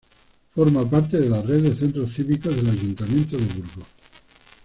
Forma parte de la red de centros cívicos del Ayuntamiento de Burgos.